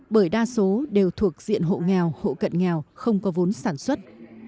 bởi đa số đều thuộc diện hộ nghèo hộ cận nghèo không có vốn sản xuất